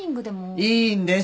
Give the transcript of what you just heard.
いいんです！